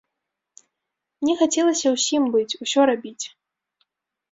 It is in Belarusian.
Мне хацелася ўсім быць, усё рабіць.